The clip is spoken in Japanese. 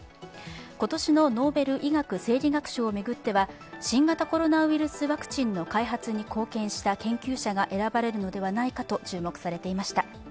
今年のノーベル医学生理学賞を巡っては新型コロナウイルスワクチンの開発に貢献した研究者が選ばれるのではないかと注目されていました。